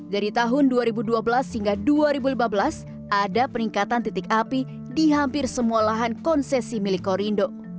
dari tahun dua ribu dua belas hingga dua ribu lima belas ada peningkatan titik api di hampir semua lahan konsesi milik korindo